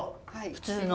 普通の。